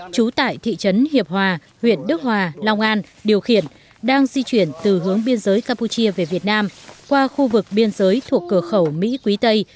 trú tại thị trấn hiệp hòa huyện đức hòa long an điều khiển đang di chuyển từ hướng biên giới campuchia về việt nam qua khu vực biên giới thuộc cửa khẩu mỹ quý tây